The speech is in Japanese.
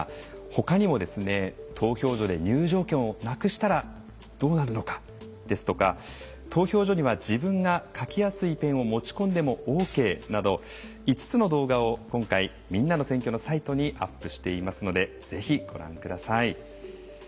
ほかにも投票所で入場券をなくしたらどうなるのかですとか「投票所には自分が書きやすいものを持ち込んでオーケー」といった５つの動画を今回「みんなの選挙」のサイトにアップしていますのでぜひご覧ください。